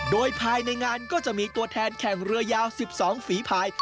โดยภายในงานก็จะมีตัวแทนแข่งเรือยาว๑๒ฝีภาย